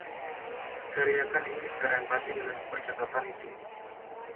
Teriakan ini secara empati menutup percakapan itu.